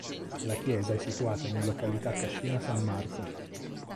La chiesa è situata in località Cascina San Marco.